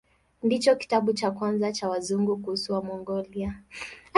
Ndicho kitabu cha kwanza cha Wazungu kuhusu Wamongolia.